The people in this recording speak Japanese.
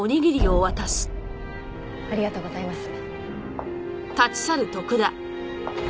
ありがとうございます。